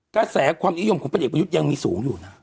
กระแสความนิยมของพลเอกประยุทธ์ยังมีสูงอยู่นะ